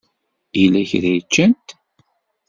Yella kra i ččant?